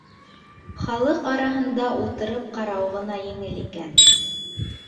Халыҡ араһында ултырып ҡарау ғына еңел икән.